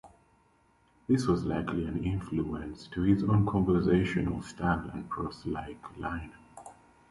'" This was likely an influence to his own "conversational style and proselike line.